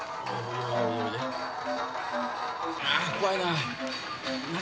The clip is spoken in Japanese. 怖いな何？